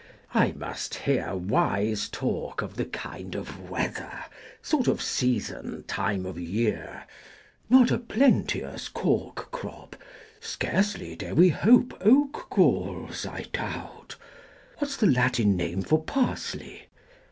_ I must hear Wise talk of the kind of weather, Sort of season, time of year: _Not a plenteous cork crop: scarcely Dare we hope oak galls, I doubt: What's the Latin name for ``parsley''?